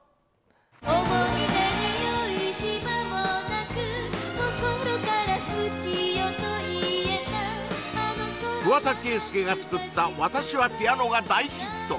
思い出に酔うひまもなく心から好きよと言えた桑田佳祐が作った「私はピアノ」が大ヒット